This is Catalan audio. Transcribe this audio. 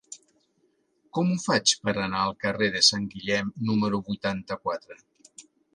Com ho faig per anar al carrer de Sant Guillem número vuitanta-quatre?